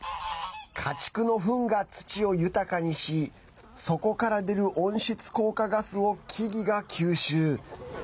家畜のフンが土を豊かにしそこから出る温室効果ガスを木々が吸収。